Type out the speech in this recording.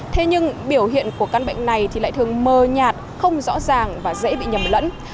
thế nhưng biểu hiện của căn bệnh này thì lại thường mờ nhạt không rõ ràng và dễ bị nhầm lẫn